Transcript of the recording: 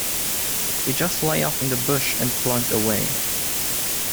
They just lay off in the bush and plugged away.